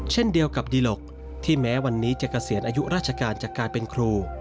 เช่นเดียวกับดิหลกที่แม้วันนี้จะเกษียณอายุราชการจากการเป็นครู